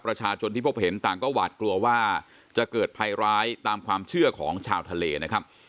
ประชาชนที่พบเห็นต่างก็หวาดกลัวว่าจะเกิดภัยร้ายตามความเชื่อของชาวทะเลนะครับ